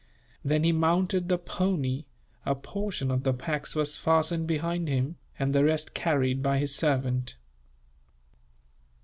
Then he mounted the pony; a portion of the packs was fastened behind him, and the rest carried by his servant.